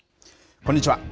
こんにちは。